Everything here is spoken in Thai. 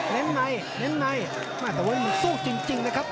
เน้นในเน้นในน่าจะเว้ยมันสู้จริงนะครับ